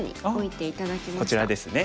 こちらですね。